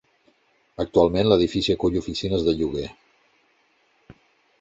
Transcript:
Actualment, l'edifici acull oficines de lloguer.